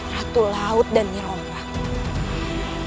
ratu laut dan nyerombak